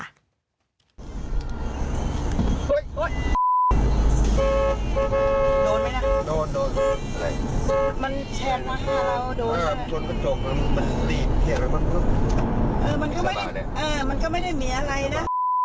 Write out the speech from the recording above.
มันก็ไม่ได้มันก็ไม่ได้มีอะไรนะ